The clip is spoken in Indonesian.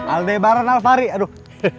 aldebaran alfari aduh